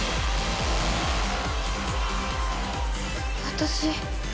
私。